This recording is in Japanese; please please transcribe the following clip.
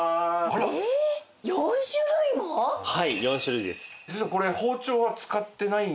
はい４種類です。